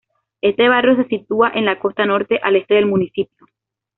Este barrio se sitúa en la costa norte al este del municipio.